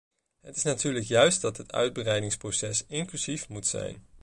Het is natuurlijk juist dat het uitbreidingsproces inclusief moet zijn.